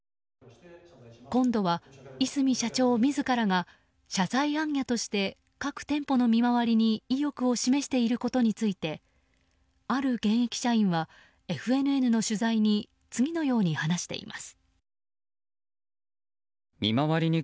今度は和泉社長自らが謝罪行脚として各店舗の見回りに意欲を示していることについてある現役社員はＦＮＮの取材に次のように話しています。